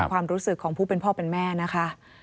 ความรู้สึกของผู้เป็นพ่อเป็นแม่นะคะ